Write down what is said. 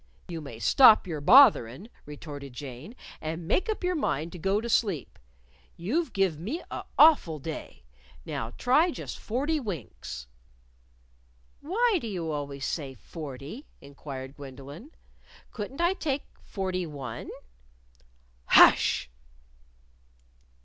"You may stop your botherin'," retorted Jane, "and make up your mind to go to sleep. You've give me a' awful day. Now try just forty winks." "Why do you always say forty?" inquired Gwendolyn. "Couldn't I take forty one?" "_Hush!